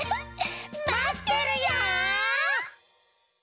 まってるよ！